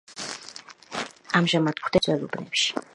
ამჟამად გვხვდება უმთავრესად თბილისის ძველ უბნებში.